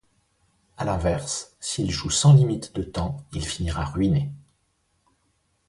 À l'inverse, s'il joue sans limite de temps, il finira ruiné.